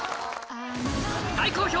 大好評